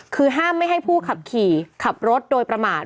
คือห้ามไม่ให้ผู้ขับขี่ขับรถโดยประมาท